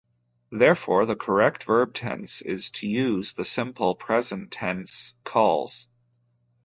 Therefore, the correct verb tense to use is the simple present tense, "calls".